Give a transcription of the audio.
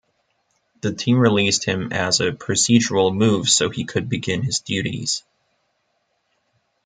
The team released him as a procedural move so he could begin his duties.